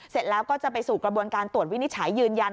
เสร็จแล้วก็จะไปสู่กระบวนการตรวจวินิจฉัยยืนยัน